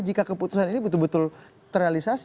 jika keputusan ini betul betul terrealisasi